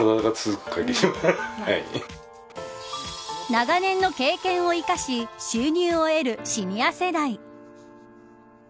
長年の経験を生かし収入を得るシニア世代。